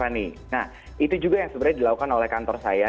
nah itu juga yang sebenarnya dilakukan oleh kantor saya